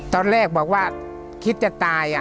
ตอนแรกบอกว่าคิดจะตาย